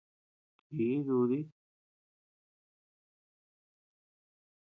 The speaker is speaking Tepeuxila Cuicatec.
Chí dúdi.